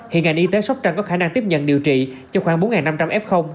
hiện ngành y tế sóc trăng có khả năng tiếp nhận điều trị cho khoảng bốn năm trăm linh f